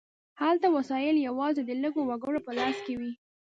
هلته وسایل یوازې د لږو وګړو په لاس کې وي.